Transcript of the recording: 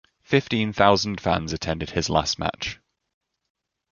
Fifteen-thousand fans attended his last match.